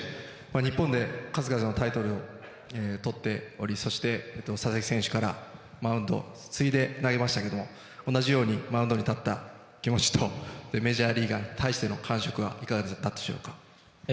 日本で数々のタイトルをとっておりそして佐々木選手からマウンドを継いで投げましたが同じようにマウンドに立った気持ちとメジャーリーガーに対しての感触はいかがだったでしょうか。